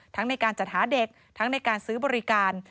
ในการจัดหาเด็กทั้งในการซื้อบริการ